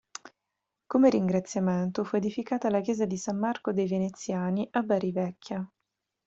Come ringraziamento fu edificata la Chiesa di San Marco dei veneziani a Bari vecchia.